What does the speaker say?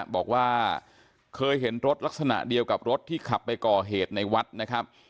บอกว่าเคยเห็นรถลักษณะเดียวกับรถที่ขับไปก่อเหตุในวัดนะครับ